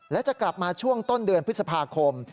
และจะกลับมาช่วงต้นเดือนพฤษภาคม